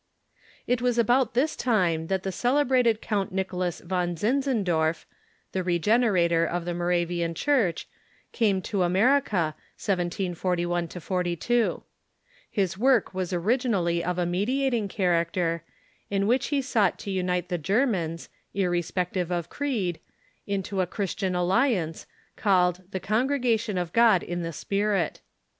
It was about this time that the celebrated Count Nicholas von Zinzendorf, the regenerator of the Moravian Church, came to America, 1741 42. His work was originallv of a Zinzendorf ■,■■,• i ■ i i i ^■ i mediating character, in which he sought to unite the Germans, irrespective of creed, into a Christian Alliance, called the "Congregation of God in the Spirit."